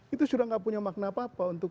itu sudah tidak punya makna apa apa untuk